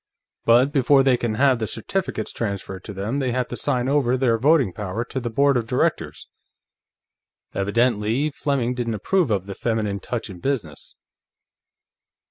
"But before they can have the certificates transferred to them, they have to sign over their voting power to the board of directors. Evidently Fleming didn't approve of the feminine touch in business."